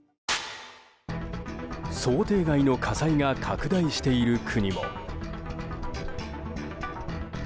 想定外の火災が拡大している国も。